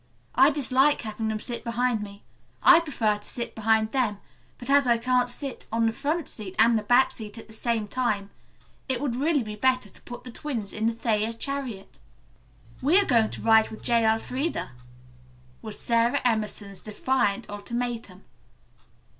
"I dislike having them sit behind me. I prefer to sit behind them, but as I can't sit on the front seat and the back seat at the same time, it would really be better to put the twins in the Thayer chariot." "We are going to ride with J. Elfreda," was Sara Emerson's defiant ultimatum.